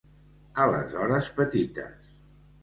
A les hores petites.